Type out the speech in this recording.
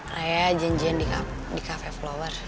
saya janjian di cafe flower